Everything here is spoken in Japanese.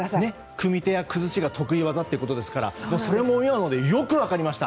組み手や崩しが得意ということですからそれも今のでよく分かりました。